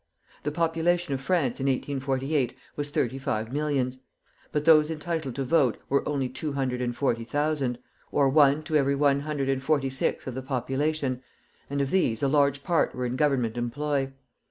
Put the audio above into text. The population of France in 1848 was thirty five millions; but those entitled to vote were only two hundred and forty thousand, or one to every one hundred and forty six of the population, and of these a large part were in Government employ.